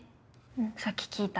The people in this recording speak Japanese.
さっき聞いた。